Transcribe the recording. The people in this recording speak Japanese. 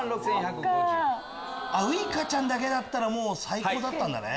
ウイカちゃんだけだったら最高だったんだね。